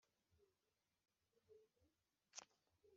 Yenda umugozi ugera nkengero